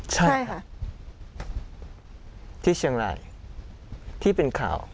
ใช่ค่ะที่เชียงรายที่เป็นข่าว